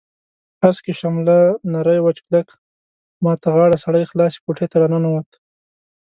هسکې شمله نری وچ کلک، ما ته غاړه سړی خلاصې کوټې ته راننوت.